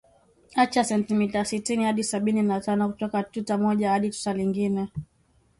acha sentimita sitini hadi sabini na tano kutoka tuta moja hadi tuta lingine